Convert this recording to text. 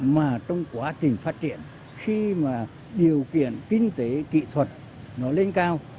mà trong quá trình phát triển khi mà điều kiện kinh tế kỹ thuật nó lên cao